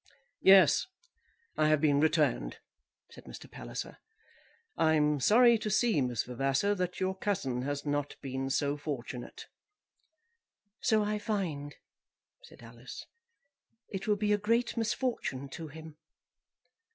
"Yes; I have been returned," said Mr. Palliser. "I'm sorry to see, Miss Vavasor, that your cousin has not been so fortunate." "So I find," said Alice. "It will be a great misfortune to him."